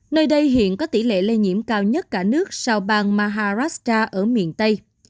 nơi đây hiện có tỷ lệ lây nhiễm cao nhất cả nước sau bang maharasta ở miền tây